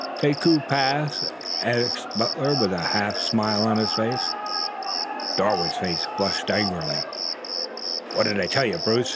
"Taku Pass?" asked Butler with a half smile on his face. Darwood's face flushed angrily. "What did I tell you, Bruce?"